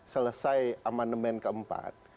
selesai amandemen keempat